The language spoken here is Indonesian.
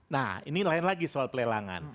nah ini lain lagi soal pelelangan